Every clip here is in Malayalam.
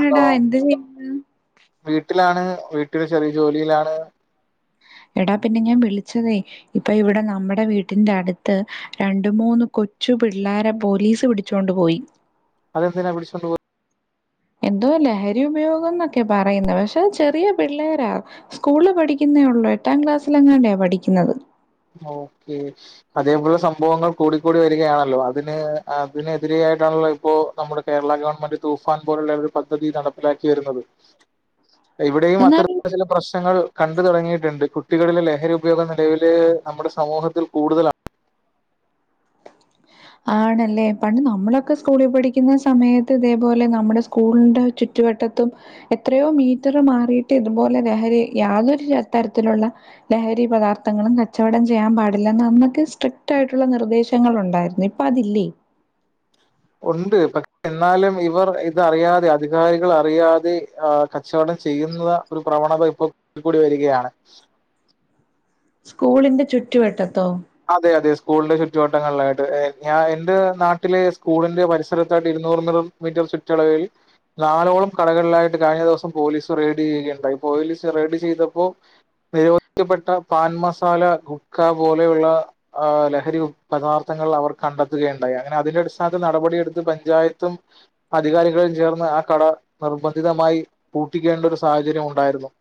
ഹലോ ചെയ്യാണ് വീട്ടിലാണ് വീട്ടില് ചെറിയ ജോലിയിലാണ്. എടാ പിന്നെ ഞാൻ വിളിച്ചതേ ഇപ്പൊ ഇവിടെ നമ്മടെ വീട്ടിന്റെ അടുത്ത് രണ്ട് മൂന്ന് കൊച്ചു പിള്ളാരെ പോലീസ് പിടിച്ചോണ്ട് പോയി. അത് എന്തിനാ പിടിച്ചോണ്ടു പോയ എന്തോ ലഹരി ഉപയോഗം എന്നൊക്കെ പറയുന്ന പക്ഷെ ചെറിയ പിള്ളേരാ സ്കൂളി പഠിക്കുന്നേ ഉള്ളൂ എട്ടാം ക്ലാസ്സില് എങ്ങാണ്ടെയാ പഠിക്കുന്നത്. ഓക്കെ അതേപോലെ സംഭവങ്ങൾ കൂടിക്കൂടി വരികയാണല്ലോ അതിന് അതിനെതിരെ ആയിട്ടാണല്ലോ ഇപ്പോ നമ്മടെ കേരള ഗവൺമെന്റ് തൂഫാൻ പോലുള്ള ഒരു പദ്ധതി നടപ്പിലാക്കി വരുന്നത് ഇവിടെയും അത്തരം എന്നാലും ചില പ്രശ്നങ്ങൾ കണ്ടു തുടങ്ങിയിട്ടുണ്ട് കുട്ടികളിലെ ലഹരി ഉപയോഗം നിലവില് നമ്മുടെ സമൂഹത്തിൽ കൂടുതൽ ആ ആണല്ലേ പണ്ട് നമ്മളൊക്കെ സ്കൂളി പഠിക്കുന്ന സമയത്ത് ഇതേപോലെ നമ്മുടെ സ്കൂളിന്റെ ചു ചുറ്റുവട്ടത്തും എത്രയോ മീറ്റർ മാറിയിട്ട് ഇതുപോലെ ലഹരി യാതൊരു തരത്തിലുള്ള ലഹരി പദാർത്ഥങ്ങളും കച്ചവടം ചെയ്യാൻ പാടില്ല നമ്മക്ക് സ്ട്രിക്റ്റ് ആയിട്ടുള്ള നിർദ്ദേശ ങ്ങളുണ്ടായിരുന്നു ഇപ്പൊ അതില്ലേ? ഉണ്ട് പക്ഷെ എന്നാലും ഇവർ ഇതറിയാതെ അധികാരികൾ അറിയാതെ ആഹ് കച്ചവടം ചെയ്യുന്ന ഒരു പ്രവണത ഇപ്പോ കൂടി വരികയാണ്. സ്കൂളിന്റെ ചുറ്റുവട്ടത്തോ? അതെ അതെ സ്കൂളിന്റെ ചുറ്റുവട്ടങ്ങളിലായിട്ട് ഞാൻ എന്റെ നാട്ടിലെ സ്കൂളിന്റെ പരിസരത്തായിട്ട് ഇരുന്നൂർ [unintelligible] മീറ്റർ ചുറ്റളവിൽ നാലോളം കടകളിലായിട്ട് കഴിഞ്ഞ ദിവസം പോലീസ് റെയ്ഡ് ചെയ്യുകയുണ്ടായി. പോലീസ് റെയ്ഡ് ചെയ്തപ്പോ നിരോധിക്കപ്പെട്ട പാൻ മസാല [unintelligible] ക്ക പോലെയുള്ള ആ ലഹരി പദാർത്ഥങ്ങൾ അവർ കണ്ടെത്തുകയുണ്ടായി അങ്ങനെ അതിന്റെ അടിസ്ഥാനത്ത് നടപടിയെടുത്ത് പഞ്ചായത്തും അധികാരികളിൽ ചേർന്ന് ആ കട നിർബന്ധിതമായി പൂട്ടിക്കേണ്ട ഒരു സാഹചര്യം ഉണ്ടായിരുന്നു.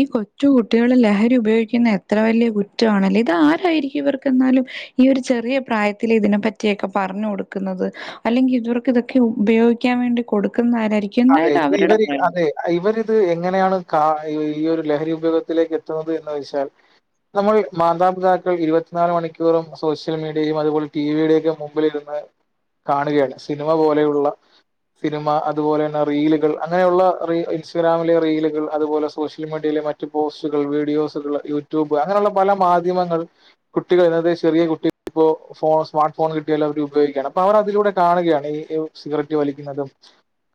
ഈ കൊറ്റു കുട്ടികളെ ലഹരി ഉപയോഗിക്കുന്ന എത്ര വലിയ കുറ്റാണല്ലെ! ഇത് ആരായിരിക്കും ഇവർക്ക് എന്നാലും ഈ ഒരു ചെറിയ പ്രായത്തില് ഇതിനെ പറ്റിയൊക്കെ പറഞ്ഞു കൊടുക്കുന്നത്. അല്ലെങ്കിൽ ഇവർക്ക് ഇതൊക്കെ ഉപയോഗിക്കാൻ വേണ്ടി കൊടുക്കുന്ന ആരായിരിക്കും എന്തായാലും അവരുടെ പ്രായം ഇവരി ത് എങ്ങനെയാണ് കാ ഈ ഒരു ലഹരി ഉപയോഗത്തിലേക്ക് എത്തുന്നത് എന്ന് വെച്ചാൽ, നമ്മൾ മാതാപിതാക്കൾ ഇരുപത്തിനാല് മണിക്കൂറും സോഷ്യൽ മീഡിയയും അതുപോലെ ടിവിയുടെ ഒക്കെ മു മ്പി ലിരുന്ന് കാണുകയാണ് സിനിമ പോലെയുള്ള സിനിമ, അ തുപോലെ തന്നെ റീലുകൾ അങ്ങനെയുള്ള റി ഇൻസ്റ്റഗ്രാമിലെ റീലൾ അതുപോലെ സോഷ്യൽ മീഡിയയിലെ മറ്റ് റ്റ് പോസ്റ്റുകൾ, വീഡിയോസുകൾ, യൂട്യൂബ് അങ്ങനെയുള്ള പല മാധ്യമങ്ങൾ, കുട്ടികൾ [unintelligible] ചെറിയ കുട്ടിക പ്പോ ഫോ സ്മാർട്ട് ഫോൺ കിട്ടിയാല അവർ ഉപയോഗിക്കുകാണ് അപ്പൊ അവർ അതിലൂടെ കാണുകയാണ് ഈ സിഗരറ്റ് വലിക്കുന്നതും,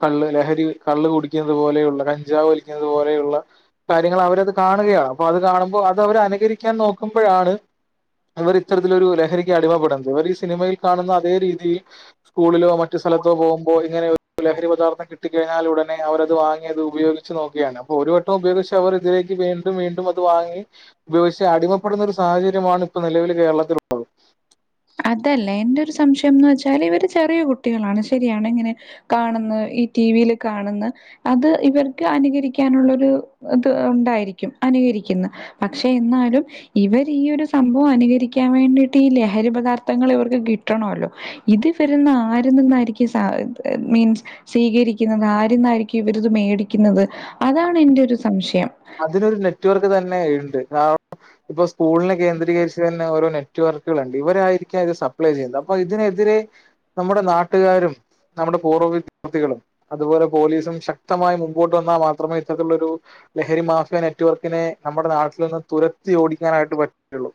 കള്ള് ലഹരി കള്ള് കുടിക്കുന്നത് പോലെയുള്ള കഞ്ചാവ് വലിക്കുന്നത് പോലെയുള്ള കാര്യങ്ങൾ അവരത് കാണുകയാണ് അപ്പൊ അത് കാണുമ്പോൾ അത് അവരെ അനുകരിക്കാൻ നോക്കുമ്പോഴാണ് ഇവർ ഇത്തരത്തിലൊരു ലഹരിക്ക് അടിമപ്പെടുന്നത് ഇവർ ഈ സിനിമയിൽ കാണുന്ന അതേ രീതിയിൽ സ്കൂളിലോ മറ്റു സ്ഥലതോ പോകുമ്പോ ഇങ്ങനെ ഒ രു ലഹരി പദാത്ഥം കിട്ടി കഴിഞ്ഞാലുടനെ അവത് വാങ്ങി അത് ഉപയോഗിച്ച് നോക്കുകയാണ് അപ്പോൾ ഒരു വട്ടം ഉപയോഗിച്ച് അവർ ഇതിലേക്ക് വെണ്ടി വീണ്ടും അത് വാങ്ങി ഉപയോഗിച്ച് അടിമപ്പെടുന്ന ഒരു സാഹചര്യമാണ് ഇപ്പ നിലവിൽ കേരളത്തിലുള്ളത്. അതല്ല എന്റെ ഒരു സംശയംന്ന് വെച്ചാൽ ഇവര് ചെറിയ കുട്ടികളാണ് ശരിയാണ് ഇങ്ങനെ, കാണുന്ന ഈ ടിവിൽ കാണുന്ന അത് ഇവർക്ക് അനുകരിക്കാനുള്ളോരു ഇത് ഉണ്ടായിരിക്കും അനുകരിക്കുന്ന പക്ഷെ എന്നാലും ഇവർ ഈ ഒരു സംഭവം അനുകരിക്കാൻ വേണ്ടിട്ട് ഈ ലഹരി പദാർത്ഥ ത്ഥങ്ങൾ ഇവർക്ക് കിട്ടണല്ലോ ഇത് വരുന്ന ആരന്ന്ന്നായിരിക്കും സാധ മീൻസ് സ്വീകരിക്കുന്നത്, ആരുന്നായിരിക്കും ഇവരത് മേടിക്കുന്നത്, അതാണ് എന്റെ ഒരു സംശയം. അതിനൊരു നെറ്റ് വർക്ക് തന്നെ ഉണ്ട്. പ്പൊ സ്കൂളിനെ കേന്ദ്രീകരിച്ച് തന്നെ ഓരോ നെറ്റ് വർക്കുകളുണ്ട്. ഇവരായിരിക്കാം ഇത് സപ്ലൈ ചെയ്യുന്നത് അപ്പൊ ഇതിനെതിരെ നമ്മുടെ നാട്ടുകാരും നമ്മുടെ പൂർവ്വ വിദ്യാർത്ഥികളും. അതുപോലെ പോലീസും ശക്തമായി മുമ്പോട്ട് വന്നാൽ മാത്രമേ ഇത്തരത്തിലുള്ളൊരു ലഹരി മാഫിയ നെറ്റ് വർക്കിനെ നമ്മുടെ നാട്ടിൽന്ന് തുരത്തി ഓടിക്കാനായിട്ട് പറ്റുള്ളൂ.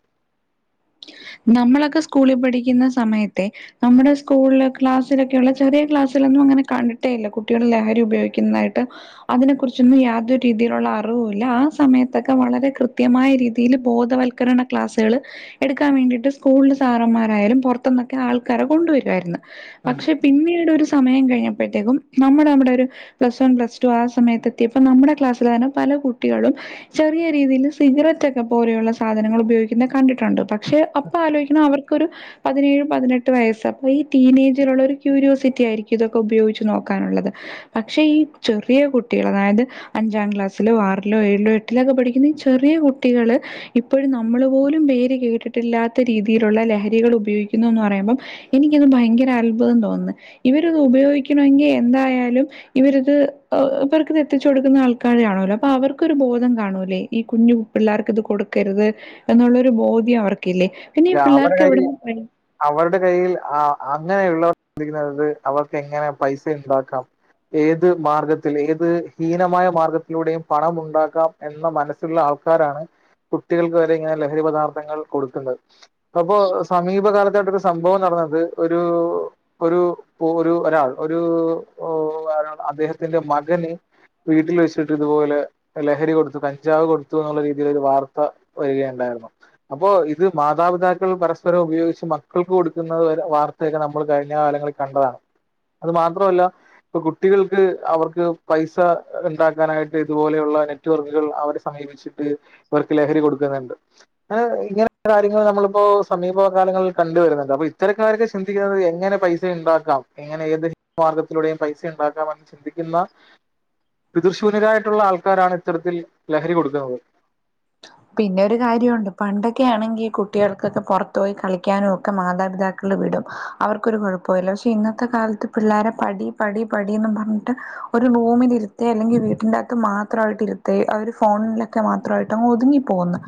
നമ്മളൊക്കെ സ്കൂളി പഠിക്കുന്ന സമയത്തെ നമ്മുടെ സ്കൂളില് ക്ലാസ്സിലൊക്കെയുള്ള ചെറിയ ക്ലാസ്സിലൊന്നും അങ്ങനെ കണ്ടിട്ടേ ഇല്ല കുട്ടികൾ ലഹരി ഉപയോഗിക്കുന്നതായിട്ട്. അതിനെ കുറിച്ചൊന്നും യാതൊരു രീതിയിലുള്ള അറിവുല്ല. ആ സമയത്തൊക്കെ വളരെ കൃത്യമായ രീതിയിൽ ബോധവൽ കരണ ക്ലാസ്സുകൾ എടു ക്കാൻ വേണ്ടിട്ട് സ്കൂള സാറന്മാരായാലും പുറത്ത്ന്നൊക്കെ ആൾക്കാരെ കൊണ്ടുവരുവായിരുന്നു. പക്ഷെ പിന്നീട് ഒരു സമയം കഴിഞ്ഞപ്പോഴത്തേക്കും നമ്മള് നമ്മുടെ ഒരു പ്ലസ് വൺ പ്ലസ് ടു ആ സമയത്ത് എത്തിയപ്പ നമ്മുടെ ക്ലാസ്സില് തന്നെ പല കുട്ടികളും ചെറിയ രീതിയിൽ സിഗരറ്റൊക്കെ പോലെയുള്ള സാധനങ്ങൾ ഉപയോഗിക്കുന്ന കണ്ടിട്ടുണ്ട് പ ക്ഷെ അപ്പ ആലോയ്ക്കണ അവർക്കൊരു പതിനേഴ് പതിനെട്ട് വയസ്സ് അപ്പ ഈ ടീനേജിലുള്ള ഒരു ക്യൂരിയോസിറ്റി ആയിരിക്കും ഇതൊക്കെ ഉപയോഗിച്ച് നോക്കാനുള്ളത് പക്ഷെ ഈ ചെറിയ കുട്ടികൾ അതായത് അഞ്ചാം ക്ലാസ്സിലോ ആറിലോ ഏഴിലോ എട്ടിലോ ഒക്കെ പഠിക്കുന്ന ഈ ചെറിയ കുട്ടികള് ഇപ്പോഴും നമ്മൾ പോലും പേര് കേട്ടിട്ടില്ലാത്ത രീതിയിലുള്ള ലഹരികൾ ഉപയോഗിക്കുന്നു എന്ന് പറയുമ്പം എനിക്കന്ന് ഭയങ്കര അത്ഭുതം തോന്നുന്നു. ഇവരത് ഉപയോഗിക്കണമെങ്കിൽ എന്തായാലും, ഇവരിത് ഇവർക്കിത് എത്തിച്ചു കൊടുക്കുന്ന ആൾക്കാര കാണോല്ലോ അപ്പൊ അവർക്കൊരു ബോധം കാണൂലേ ഈ കുഞ്ഞു പിള്ളേർക്ക് ഇത് കൊടുക്കരുത് എന്നുള്ളൊരു ബോധ്യം അവർക്കില്ലേ പിന്നെ ഈ അവരുടെ കയ്യിൽ പിള്ളേർക്ക് എവിടെ നിന്ന്,, അവരുടെ കയ്യിൽ ആ അങ്ങനെയുള്ളവർ ശ്രദ്ധിക്കുന്നത് അവർക്ക് എങ്ങനെ പൈസ ഉണ്ടാക്കാം ഏത് മാർഗത്തിൽ ഏത് ഹീനമായ മാർഗത്തിലൂടെയും പണം ഉണ്ടാക്കാം എന്ന മനസ്സിലുള്ള ആൾക്കാരാണ് കുട്ടികൾക്ക് വരെ ഇങ്ങനെ ലഹരി പദാർത്ഥങ്ങൾ കൊടുക്കുന്നത് അപ്പൊ സമീപകാലത്തായിട്ടൊരു സംഭവം നടന്നത് ഒരു ഒരു ഒരു ഒരാൾ ഒരുരാ അദ്ദേഹത്തിന്റെ മകന് വീട്ടിൽ വെച്ചിട്ട് ഇതുപോലെ ലഹരി കൊടുത്തു കഞ്ചാവ് കൊടുത്തു എന്നുള്ള രീതിയിൽ ഒരു വാർത്ത വരികയുണ്ടായിരുന്നു അപ്പോ ഇത് മാതാപിതാക്കൾ പരസ്പരം ഉപയോഗിച്ച് മക്കൾക്ക് കൊടുക്കുന്ന വര വാർത്തയൊക്കെ നമ്മൾ കഴിഞ്ഞ കാലങ്ങളിൽ കണ്ടതാണ് അത് മാത്രല്ല ഇപ്പൊ കുട്ടികൾക്ക് അവർക്ക് പൈസ ഉണ്ടാക്കാനായിട്ട് ഇതുപോലെയുള്ളെ നെ നെറ്റ്‌വർക്കുകൾ അവരെ സമീപിച്ചിട്ട് ഇവർക്ക് ലഹരി കൊടുക്കുന്നുണ്ട് ഇങ്ങനെ ഇങ്ങനെ കാര്യങ്ങൾ നമ്മളിപ്പോ സമീപ കാലങ്ങളിൽ കണ്ടുവരുന്നുണ്ട് അപ്പൊ ഇത്തരക്കാരൊക്കെ ചിന്തിക്കുന്നത് എങ്ങനെ പൈസ ഉണ്ടാക്കാം ഇങ്ങനെ ഏത് മാർഗത്തിലൂടെയും പൈസ ഉണ്ടാക്കാമെന്ന് ചിന്തിക്കുന്ന പിതൃശൂന്യരായിട്ടുള്ള ആൾക്കാരാണ് ഇത്തരത്തിൽ ലഹരി കൊടുക്കുന്നത് പിന്നെ ഒരു കാര്യമുണ്ട് പണ്ടൊക്കെ ആണെങ്കിൽ കുട്ടികൾക്കൊക്കെ പുറത്ത് പോയി കളിക്കാനും ഒക്കെ മാതാപിതാക്കൾ വിടും അവർക്കൊരു കുഴപ്പമല്ല പക്ഷേ ഇന്നത്തെ കാലത്ത് പിള്ളേരെ പടി പടി പടി പടിന്നും പറഞ്ഞിട്ട് ഒരു റൂമിൽ ഇരുത്തേ അല്ലെങ്കിൽ വീട്ടിറ്ൻകത്ത് മാത്രമായിട്ട് ഇരുത്തെ അവര് ഫോണിലൊക്കെ മാത്രമായിട്ട് അങ്ങ് ഒതുങ്ങി പോവുന്നു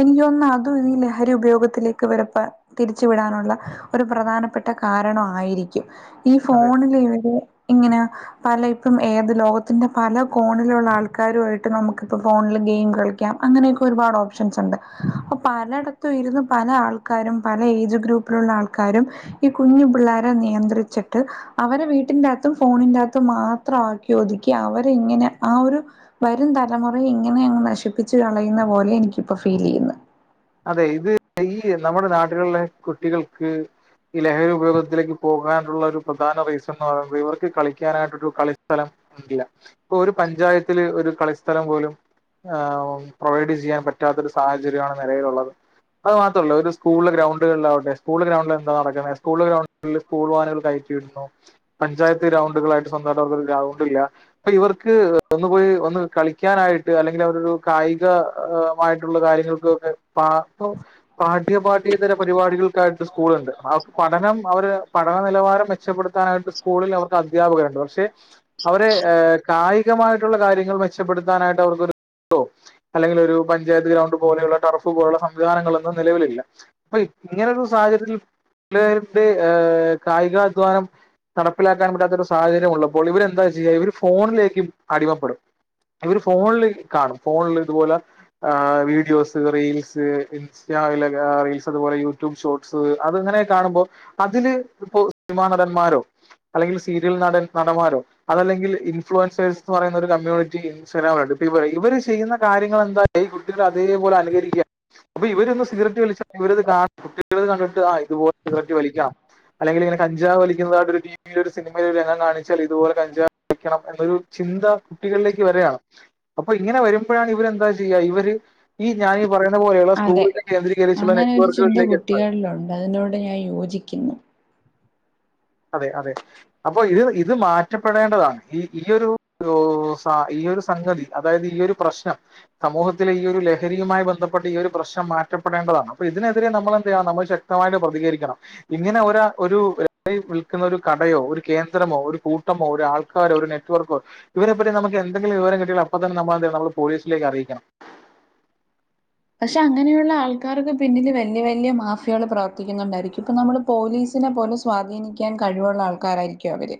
എനിക്ക് തോന്നണ അതും ഈ ലഹരി ഉപയോഗത്തിലേക്ക് വരുമ്പം തിരിച്ചു വിടാനുള്ള ഒരു പ്രധാനപ്പെട്ട കാരണം ആയിരിക്കും ഈ അതെ ഫോണിൽ ഇവര് ഇങ്ങനെ പല ഇപ്പം ഏത് ലോകത്തിന്റെ പല കോണിലുള്ള ആൾക്കാരുമായിട്ട് നമുക്കിപ്പോ ഫോണില് ഗെയിം കളിക്കാം ക്കാം അങ്ങനെയൊക്കെ ഒരുപാട് ഓപ്ഷൻസ് ഉണ്ട് അപ്പം പലയിടത്തും ഇരുന്ന് പല ആൾക്കാരും പല ഏജ് ഗ്രൂപ്പിലുള്ള ആൾക്കാരും ഈ കുഞ്ഞു പിള്ളോരെ നിയന്ത്രിച്ചിട്ട് അവരെ വീട്ടിന്റെകത്തും ഫോണിന്റെ അകത്തും മാത്രം ആക്കി ഒതുക്കി അവരെ ഇങ്ങനെ ആഹ് ഒരു വരും തലമുറയെ ഇങ്ങനെ അങ്ങ് നശിപ്പിച്ച് കളയുന്ന പോലെ എനിക്കിപ്പോ ഫീൽ ചെയ്യുന്നു അതെ ഇത് ഈ നമ്മുടെ നാട്ടിലിലുളള കുട്ടികൾക്ക് ഈ ലഹരി ഉപയോഗത്തിലേക്ക് പോകാനുള്ള ഒരു പ്രധാന റീസൺ എന്ന് പറയുന്നത് ഇവർക്ക് കളിക്കാനായിട്ടൊരു കളിസ്ഥലം ഇല്ല ഇപ്പൊ ഒരു പഞ്ചായത്തില് ഒരു കളിസ്ഥലം പോലും ആഹ് പ്രൊവൈഡ് ചെയ്യാൻ പറ്റാത്തൊരു സാഹചര്യമാണ് നിലവിലുള്ളത് അത് മാത്രമല്ലേ ഒരു സ്കൂള് ഗ്രൗണ്ടുകളിൽ ആവട്ടെ സ്കൂള് ഗ്രൗണ്ടിൽ എന്താ നടക്കുന്നേ സ്കൂൾ ഗ്രൗണ്ട് സ്കൂൾ വാഹനങ്ങളിൽ കയറ്റിയിടുന്നു പഞ്ചായത്ത് ഗ്രൗണ്ടുകളൾളായിട്ട് സ്വന്തമായിട്ട് അവർക്കൊരു ഗ്രൗണ്ട് ഇല്ല അപ്പൊ ഇവർക്ക് ഒന്ന് പോയി ഒന്ന് കളിക്കാനായിട്ട് അല്ലെങ്കിൽ അവിടെയൊരു കായിക,, മായിട്ടുള്ള കാര്യങ്ങൾക്കൊക്കെ പാഠ്യപാഠ്യതര പരിപാടികൾക്കായിട്ട് സ്കൂളുണ്ട് പഠനം അവര് പഠനനിലവാരം വെ രക്ഷപ്പെടുത്താനായിട്ട് സ്കൂളിൽ അവർക്ക് അധ്യാപകരുണ്ട് പക്ഷേ,, അവരെ കായികമായിട്ടുള്ള കാര്യങ്ങൾക്ക് മെച്ചപ്പെടുത്താനായിട്ട് അവർക്കൊരു ഉണ്ടോ അല്ലെങ്കിൽ ഒരു പഞ്ചായത്ത് ഗ്രൗണ്ട് പോലെയുള്ള ടർഫ് പോലുള്ള സംവിധാനങ്ങളൊന്നും നിലവിലില്ല അപ്പൊ ഇങ്ങനെ ഒരു സാഹചര്യത്തിൽ പിള്ളാരിന്റെ ആഹ് കായികാധ്വാനം നടപ്പിലാക്കാൻ പറ്റാത്ത ഒരു സാഹര്യമുള്ളപ്പോ ഇവരെന്താ ചെയ്യാ ഇവർ ഫോണിലേക്കും അടിമപ്പെടും ഇവര് ഫോണിൽ കാണും ഫോണിൽ ഇതുപോലെ വീഡിയോസ് റീൽസ് ഇൻസ്റ്റയിലൊക്കെ റീൽസ് അതുപോലെ യൂട്യൂബ് ഷോർട്സ് അതങ്ങനെ കാണുമ്പോൾ അതില് ഇപ്പോ സിനിമാ നടന്മാരോ അല്ലെങ്കിൽ സീരിയൽ നടൻ നടന്മാരോ. അതല്ലെങ്കിൽ ഇൻഫ്ലുവൻസേഴസ്ന്ന് പറയുന്ന ഒരു കമ്മ്യൂണിറ്റി ഇൻസ്റ്റഗ്രാമിലുണ്ട്പ്പ ഇവ ഇവര് ചെയ്യുന്ന കാര്യങ്ങളെന്ത ഈ കുട്ടികൾ അതേപോലെ അനുകരിക്ക്യാ. അപ്പൊ ഇവരൊന്ന് സിഗരറ്റ് വലിച്ചാ ഇവരത് കാണും കുട്ടികളത് കണ്ടിട്ട് ആഹ് ഇതുപോലെ സിഗരറ്റ് വലിക്കാം. അല്ലെങ്കില്ങ്ങനെ കഞ്ചാവ് വലിക്കുന്നതായിട്ടൊരു ടീ. ഈ ഒരു സിനിമയിലെ രംഗം കാണിച്ചാൽ ഇതുപോലെ കഞ്ചവലിക്കണം എന്നൊരു ചിന്ത. കുട്ടികൾലേക്ക് വര്യാണ് അപ്പൊ ഇങ്ങനെ വരുമ്പഴാണ് ഇവരെന്താ ചെയ്യ ഇവര്. ഈ ഞാൻ ഈ പറയുന്ന പോലെയുള്ള അതെ സ്കൂളിനെ കേന്ദ്രീകരിച്ചുള്ള അങ്ങനൊരു ചിന്ത നെറ്റ്വർക്കുകളിലേക്ക് എത്തുന്നത് കുട്ടികൾലു അതിനോട് ഞാൻ യോജിക്ക്ന്നു. അതെ അതെ. അപ്പൊ ഇത് ഇത് മാറ്റപ്പെടേണ്ടതാണ് ഈ ഈ ഒരു രൂ സാ ഈ ഒരു സംഗതി അതായത് ഈ ഒരു. പ്രശ്നം. സമൂഹത്തിലെ ഈ ഒരു ലഹരിയുമായി ബന്ധപ്പെട്ട ഈ ഒരു പ്രശ്നം മാറ്റപ്പെടേണ്ടതാണ് അപ്പൊ ഇതിനെതിരെ നമ്മൾ എന്തെയ്യാ നമ്മൾ ശ ക്തമായിട്ട് പ്രതികരിക്കണം ഇങ്ങനെ ഒരാ ഒരു വിൽക്കുന്ന ഒരു കടയോ ഒരു കേന്ദ്രമോ ഒരു കൂട്ടമോ ഒരു ആൾക്കാരോ ഒരു നെറ്റ് വർക്കോ. ഇവരെപ്പറ്റി നമക്ക് എന്തെിലും വിവരം കിട്ടയാൽ അപ്പ തന്നെ നമ്മളെന്തെയ്യ നമ്മള് പോലീസിലേക്ക് അറിയിക്കണം. പക്ഷേ അങ്ങനെയുള്ള ആൾക്കാർക്ക് പിന്നില് വല്ല്യ വല്ല്യ മാഫിയാള് പ്രവർത്തിക്കുന്നുണ്ടായിരിക്കും ഇപ്പം നമ്മള്. പോലീസിനെ പോലെ സ്വാധീനിക്ക്യാൻ കഴിവുള്ള ആൾക്കാരായിരിക്ക്യു അവര്.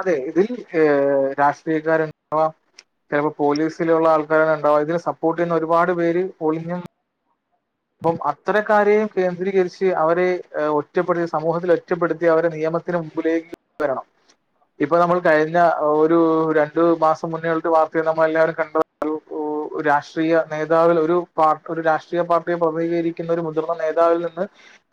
അതെ ഇതിൽ ഏ രാഷ്ട്രീയക്കാരണ്ടവാ ചെലപ്പ പോലീസിലുള്ള ആൾക്കാരണ്ടാവ ഇതിന് സപ്പോർട്ട് ചെയ്യുന്ന ഒരുപാട് പേര് ഒളിഞ്ഞും. പ്പം അത്തരക്കാരെയും കേന്ദ്രീകരിച്ച് അവരെ എ ഒറ്റപ്പെടുത്തി സമൂഹത്തിൽ ഒറ്റപ്പെടുത്തി അവരെ നിയമ ത്തിന് മുമ്പിലേക്ക് വരണം. ഇപ്പ നമ്മൾ കഴിഞ്ഞ ഒരു രണ്ടു മാസം മുന്നെയുള്ള ഒരു വാർത്തെ നമ്മൾ എല്ലാവരും കണ്ട ഒരൂ. ഉ രാഷ്ട്രീയ നേതാവിൽ ഒരു പാ ഒരു രാഷ്ട്രീയ പാർ ട്ടിയെ പ്രതികരിക്കുന്ന ഒരു മുതിർന്ന നേതാവിൽ നിന്ന്.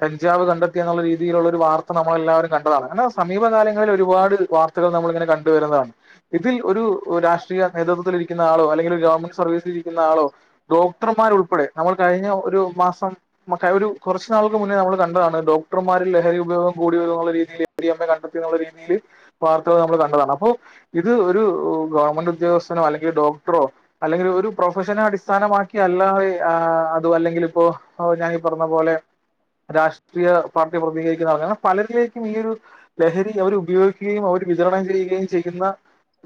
കഞ്ചാവ് കണ്ടെത്തിയ എന്നുള്ള രീതിയിലുള്ള ഒരു വാർത്ത നമ്മളെല്ലാവരും കണ്ടതാണ് അലോ സമീപകാലങ്ങളിൽ ഒരുപാട് വാർ ക്കള് നമ്മളിങ്ങനെ കണ്ടുവരുന്നതാണ്. ഇതിൽ ഒരു രാഷ്ട്രീയ നേതൃത്വത്തിലിരിക്കുന്ന ആളോ അല്ലെങ്കിൽ ഗവൺമെന്റ് സർവീസിലിരിക്കുന്ന ആളോ. ഡോക്ടർമാരുൾപ്പെടെ നമ്മൾ കഴിഞ്ഞ ഒരു മാസം. മ കയൊരു കൊറച്ച് നാൾക്ക് മുന്നേ നമ്മള് കണ്ടതാണ് ഡോക്ടർമാരിൽ ലഹരി ഉപയോഗം കൂടി വരുന്നുള്ള രീതിയില്. എം ഡി എമ്മെ കണ്ടെത്തിന്നുള്ള രീതിയില് വാർത്തകൾ നമ്മള് കണ്ടതാണ് അപ്പോ. ഇത് ഒരു ഗവൺമെന്റ് ഉദ്യോഗസ്ഥനോ അല്ലെങ്കി ഡോക്ടറോ. അല്ലെങ്കിൽ ഒരു പ്രൊഫഷനെ അടിസ്ഥാനമാക്കി അല്ലാതെ ആ. തു അല്ലെങ്കില് പ്പോ ഓ ഞാനീ പറഞ്ഞ പോലെ. രാഷ്ട്രീയ പാർട്ടി പ്രതികരിക്കുന്നവ അങ്ങനെ പലരിലേക്കും ഈ ഒരു. ലഹരി അവര് ഉപയോഗിക്കുകയും അവര് വിതരണം ചെയ്യുകയും ചെയ്യുന്ന.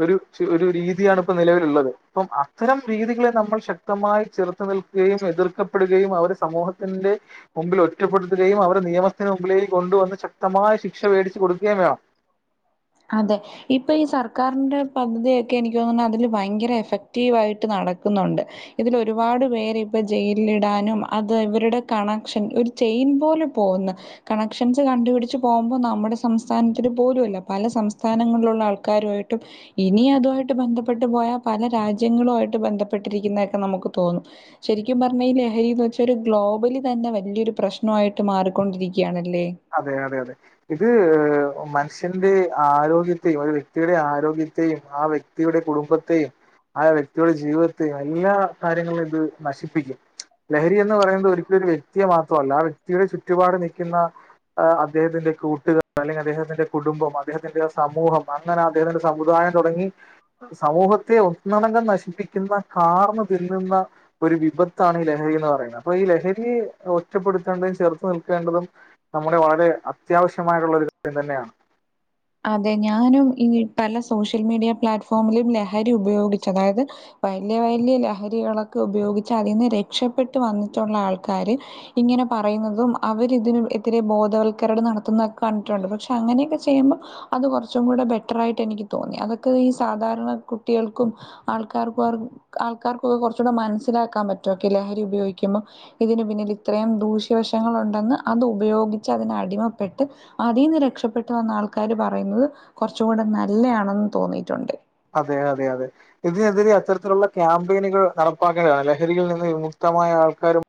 ഒരു ച് ഒരു രീതിയാണ് ഇപ്പ നിലവില്ള്ളത് പ്പം അത്തരം രീതികളെ നമ്മൾ ശ ക്തമായി ചെറുത്ത് നിൽക്കുകയും എതിർക്കപ്പെടുകയും അവര് സമൂഹത്തിന്റെ. മുമ്പിൽ ഒറ്റപ്പെടുത്തുകയും അവരെ നിയമത്തിന് മുമ്പിലേക്ക് കൊണ്ടുവന്ന് ശക്തമായ ശിക്ഷ വേടിച്ച് കൊടുക്കേം വേണം. അതെ. ഇപ്പ ഈ സർക്കാറ്ൻ്റെ പദ്ധതിയൊക്കെ എനിക്ക് തോന്നുന്നു അതില് ഭയങ്കര എഫക്റ്റീവായിട്ട് നടക്കുന്നുണ്ട്. ഇതിൽ ഒരുപാട് പേര് ഇപ്പ ജയിൽടാനും അത് ഇവരുടെ കണക്ഷൻ ഒരു. ചെയിൻ പോലെ പോവുന്ന് കണക്ഷൻസ് കണ്ടുപിടിച്ച് പോകുമ്പൊ നമ്മുടെ സംസ്ഥാനത്തില് പോലുഅല്ല. പല സംസ്ഥാനങ്ങൾലുള്ള ആൾക്കാരുമായിട്ടും. ഇനി അതുവായിട്ട് ബന്ധപ്പെട്ട് പോയാ പല രാജ്യങ്ങളുവായിട്ട് ബന്ധപ്പെട്ടിരിക്കുന്നെക്കെ നമുക്ക് തോന്നും. ശരിക്കും പറഞ്ഞാ ഈ ലഹരിന്ന് വെച്ചാ ഒരു ഗ്ലോബലി തന്നെ വലിയൊരു പ്രശ്നമായിട്ട് മാറിക്കൊണ്ടിരിക്കുകയണല്ലേ അതെ അതെ അതെ ഇത് മനുഷ്യന്റെ ആരോഗ്യത്തെയും ഒരു വ്യക്തിയുടെ ആരോഗ്യത്തെയും ആ വ്യ വ്യക്തിയുടെ കുടുംബത്തെയും ആ വ്യക്തിയുടെ ജീവിതത്തെയും എല്ലാ കാര്യങ്ങളും ഇത് നശിപ്പിക്കും ലഹരി എന്ന് പറയുന്നത് ഒരിക്കല ഒരു വ്യക്തിയ മാത്രമല്ല ആ വ്യക്തിയുടെ ചുറ്റുപാട് നിൽക്കുന്ന അദ്ഹത്തിന്റെ കൂട്ടുക അല്ലെങ്കിൽ അദ്ദേഹത്തിന്റെ കുടുംബം അദ്ദേഹത്തിന്റെ സമൂഹം അങ്ങനെ അദ്ദേഹത്തിന്റെ സമുദായം തുടങ്ങി സമൂഹത്തെ ഒന്നണങ്കം നശിപ്പിക്കുന്ന കാർന്ന് തിന്നുന്ന ഒരു വിപത്താണ് ഈ ലഹരി എന്ന് പറയുന്നത് അപ്പൊ ഈ ലഹരിയെ ഒറ്റപ്പെടുത്തേണ്ടതും ചേർത്ത് നിൽക്കേണ്ടതും നമ്മുടെ വളരെ അത്യാവശ്യമായിട്ടുള്ള ഒരു കാര്യം തന്നെയാണ് അതെ ഞാനും ഈ പല സോഷ്യൽ മീഡിയ പ്ലാറ്റ്ഫോമിലും ലഹരി ഉപയോഗിച്ച് അതായത് വലിയ വലിയ ലഹരികളൊക്കെ ഉപയോഗിച്ച് അതിൽ നിന്ന് രക്ഷപപ്പെട്ട് വന്നിട്ടുള്ള ആൾക്കാാര് ഇങ്ങനെ പറയുന്നതും അവരി ഇതിന് ഇത്തിരെ ബോധവത്ക്കരണം നടത്തുന്നൊക്കെ കണ്ടിട്ടുണ്ട് പക്ഷെ അങ്ങനെയൊക്കെ ചെയ്യുമ്പം അത് കുറച്ചും കൂടെ ബെറ്റർായിട്ട് എനിക്ക് തോന്നി അതൊക്കെ ഈ സാധാരണ കുട്ടികൾക്കും ആൾക്കാർക്ക ആൾക്കാർക്കൊക്കെ കുറച്ചൂ മനസ്സിലാക്കാൻ പറ്റുമൊക്കെ ലഹരി ഉപയോഗിക്കുമ്പോ ഇതിന് പിന്നിൽ ഇത്രയും ദൂഷ്യവശങ്ങ ഉണ്ടെന്ന് അത് ഉപയോഗിച്ച് അതിനന് അടിമപ്പെട്ട് അതീന്ന് രക്ഷപ്പെട്ടു വന്ന ആൾക്കാാര് പറയുന്നത് കുറച്ച കൂടെ നല്ലയാണെന്ന് തോന്നിയിട്ടുണ്ട് അതെ അതെ അതെ ഇതിനെതിരെ അത്തരത്തിലുള്ള ക്യാമ്പയിനുകൾ നടപ്പാക്കേണ്ടതാണ് ലഹരിയിൽ നിന്ന് വിമുക്തമായ ആൾക്കാരും